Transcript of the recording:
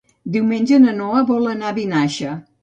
Diumenge na Noa vol anar a Vinaixa.